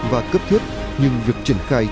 và cấp thiết nhưng việc triển khai